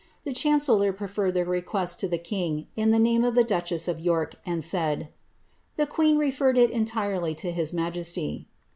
The chancellor preferred the request to the king, in the name of the duchess of York, and said, ^the queen referred it entirely to his majesty."